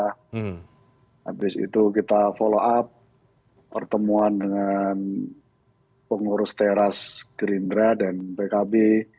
habis itu kita follow up pertemuan dengan pengurus teras gerindra dan pkb